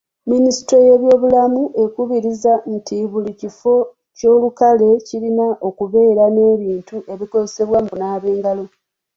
Minisitule y'ebyobulamu ekubiriza nti buli kifo ky'olukale kirina okubeera n'ebintu ebikozesebwa mu kunaaba engalo.